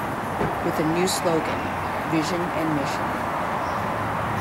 With a new slogan, Vision and Mission.